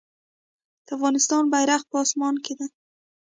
د افغانستان بیرغ په اسمان کې دی